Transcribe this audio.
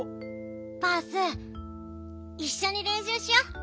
バースいっしょにれんしゅうしよう。